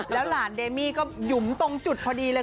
แล้วหลานเดมี่ก็หยุมตรงจุดพอดีเลย